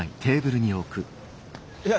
いや。